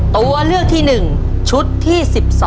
ตัวเลือกที่๑ชุดที่๑๒